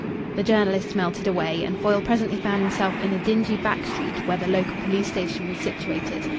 The journalists melted away, and Foyle presently found himself in a dingy back street where the local police station was situated.